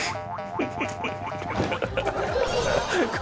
フフフフ！